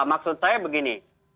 maksud saya begini